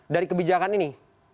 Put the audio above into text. dari kebijakan ini